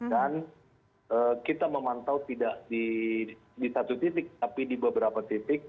dan kita memantau tidak di satu titik tapi di beberapa titik